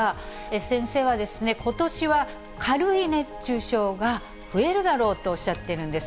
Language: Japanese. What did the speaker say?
先生は、ことしは軽い熱中症が増えるだろうとおっしゃっているんです。